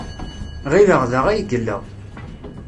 Ɣileɣ da ay yella.